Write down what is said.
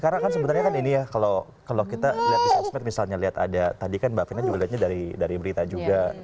karena kan sebenarnya kan ini ya kalau kita lihat di subscribe misalnya lihat ada tadi kan mbak fina juga lihatnya dari berita juga